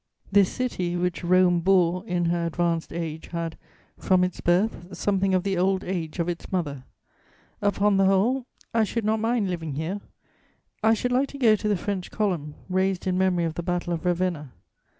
"This city, which Rome bore in her advanced age, had, from its birth, something of the old age of its mother. Upon the whole, I should not mind living here; I should like to go to the French Column, raised in memory of the Battle of Ravenna.